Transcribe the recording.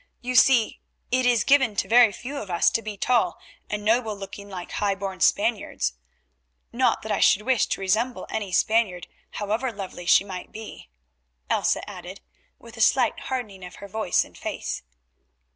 You see it is given to very few of us to be tall and noble looking like high born Spaniards—not that I should wish to resemble any Spaniard, however lovely she might be," Elsa added, with a slight hardening of her voice and face.